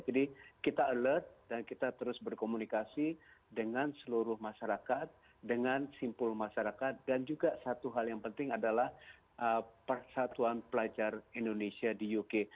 jadi kita alert dan kita terus berkomunikasi dengan seluruh masyarakat dengan simpul masyarakat dan juga satu hal yang penting adalah persatuan pelajar indonesia di uk